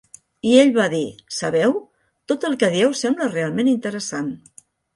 I ell va dir "sabeu, tot el que dieu sembla realment interessant".